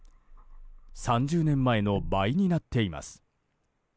３０年前の倍になっています。